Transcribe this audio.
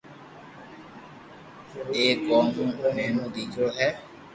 ايڪ او مو نينيو ديڪرو ھي